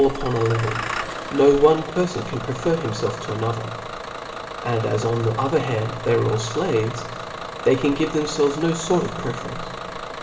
8, 9II upon a level, no one perfon can prefer himfelf to another ; and as on the other hand they are all (laves, they c^n give themfclves no fort of pre ference.